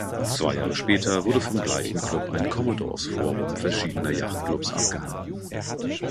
Zwei Jahre später wurde vom gleichen Club ein "Commodores Forum" verschiedener Yachtclubs abgehalten.